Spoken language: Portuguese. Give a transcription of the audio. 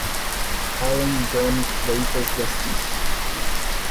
Alan Johnny Freitas de Assis